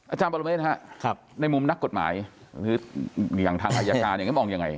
อาจารย์บริเวณฮะในมุมนักกฎหมายอย่างทางอายการมองยังไง